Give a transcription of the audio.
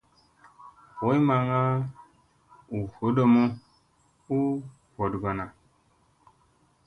Boy maŋŋa u vodomu huu vogoɗona.